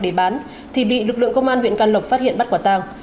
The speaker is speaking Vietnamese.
để bán thì bị lực lượng công an huyện can lộc phát hiện bắt quả tàng